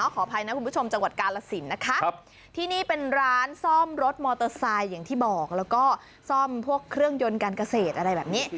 ขออภัยนะคุณผู้ชมจังหวัดกาลสินนะคะที่นี่เป็นร้านซ่อมรถมอเตอร์ไซค์อย่างที่บอกแล้วก็ซ่อมพวกเครื่องยนต์การเกษตรอะไรแบบนี้